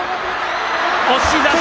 押し出し。